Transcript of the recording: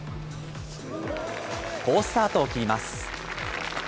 好スタートを切ります。